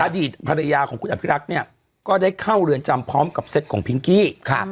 อดีตภรรยาของคุณอภิรักษ์เนี่ยก็ได้เข้าเรือนจำพร้อมกับเซตของพิงกี้